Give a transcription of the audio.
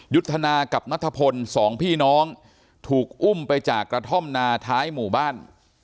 ยุทธนากับนัทพลสองพี่น้องถูกอุ้มไปจากกระท่อมนาท้ายหมู่บ้าน